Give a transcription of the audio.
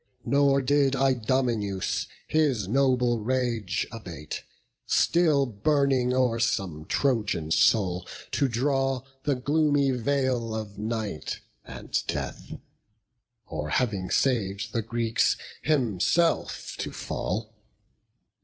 Nor did Idomeneus his noble rage Abate; still burning o'er some Trojan soul To draw the gloomy veil of night and death; Or, having sav'd the Greeks, himself to fall.